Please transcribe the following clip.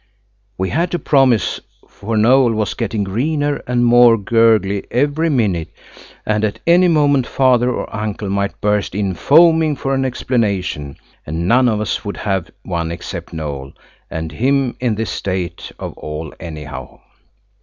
We had to promise, for Noël was getting greener and more gurgly every minute, and at any moment Father or uncle might burst in foaming for an explanation, and none of us would have one except Noël, and him in this state of all anyhow.